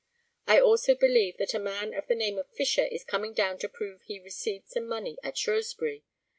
I also believe that a man of the name of Fisher is coming down to prove he received some money at Shrewsbury.